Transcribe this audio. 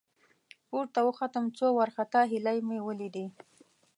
، پورته وختم، څو وارخطا هيلۍ مې ولېدې.